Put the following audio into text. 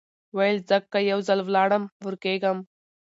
ویل زه که یو ځل ولاړمه ورکېږم